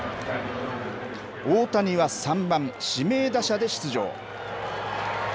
大谷は３番指名打者で出場。